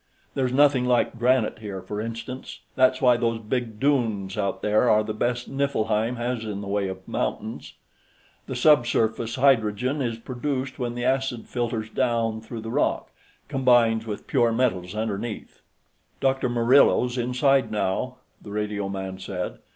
There's nothing like granite here, for instance. That's why those big dunes, out there, are the best Niflheim has in the way of mountains. The subsurface hydrogen is produced when the acid filters down through the rock, combines with pure metals underneath." "Dr. Murillo's inside, now," the radioman said.